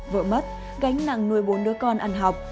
vợ mất gánh nặng nuôi bốn đứa con ăn học